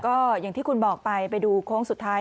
ก็อย่างที่คุณบอกไปไปดูโค้งสุดท้าย